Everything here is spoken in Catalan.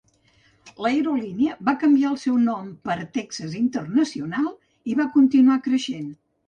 L'aerolínia va canviar el seu nom per Texas International i va continuar creixent.